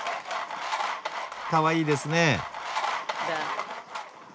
かわいいですね。